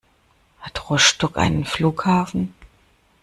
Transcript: Hat Rostock einen Flughafen?